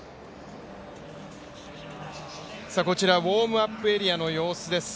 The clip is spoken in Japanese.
ウォームアップエリアの様子です。